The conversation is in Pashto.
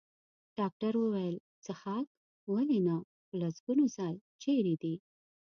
ډاکټر وویل: څښاک؟ ولې نه، په لسګونو ځل، چېرې دی؟